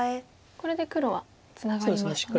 これで黒はツナがりましたね。